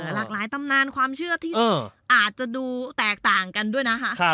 หลากหลายตำนานความเชื่อที่อาจจะดูแตกต่างกันด้วยนะคะ